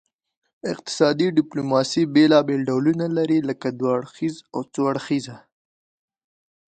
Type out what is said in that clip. اقتصادي ډیپلوماسي بیلابیل ډولونه لري لکه دوه اړخیزه او څو اړخیزه